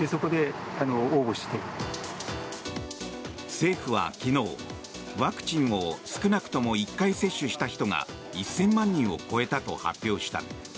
政府は昨日、ワクチンを少なくとも１回接種した人が１０００万人を超えたと発表した。